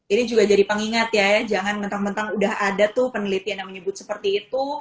ini juga jadi pengingat ya ya jangan mentang mentang udah ada tuh penelitian yang menyebut seperti itu